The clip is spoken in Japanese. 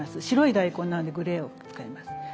白い大根なのでグレーを使います。